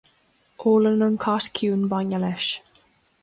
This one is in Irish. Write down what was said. Ólann an cat ciúin bainne leis